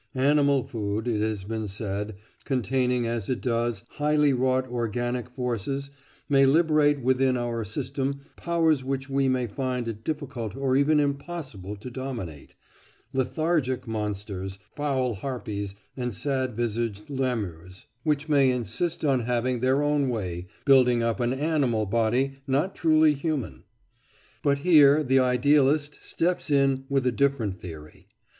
"Animal food," it has been said, "containing as it does highly wrought organic forces, may liberate within our system powers which we may find it difficult or even impossible to dominate—lethargic monsters, foul harpies, and sad visaged lemurs—which may insist on having their own way, building up an animal body not truly human." Footnote 31: Edward Carpenter, "The Art of Creation," "Health a Conquest." But here the idealist steps in with a different theory.